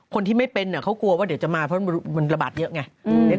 คนที่ไม่เป็นเขากลัวว่าเดี๋ยวจะมาเพราะมันระบาดเยอะไง